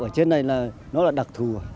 ở trên này là nó là đặc thù